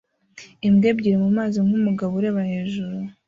Imbwa ebyiri mumazi nkumugabo ureba hejuru